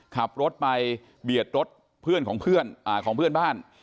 ขับรถไปเบียดรถเพื่อนบ้าน